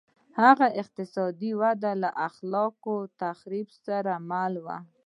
هغه اقتصادي وده له خلاق تخریب سره مله وه.